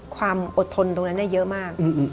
ความอดทนตรงนั้นได้เยอะมาก